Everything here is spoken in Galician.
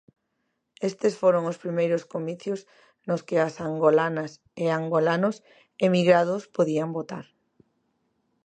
Estes foron os primeiros comicios nos que as angolanas e angolanos emigrados podían votar.